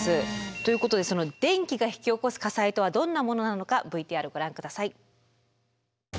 ということで電気が引き起こす火災とはどんなものなのかＶＴＲご覧ください。